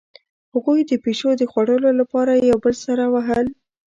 هغوی د پیشو د خوړلو لپاره یو بل سره وهل